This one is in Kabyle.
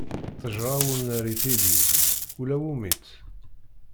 Ttejṛa ur nerri tili, ula wumi-tt.